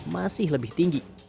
masih lebih tinggi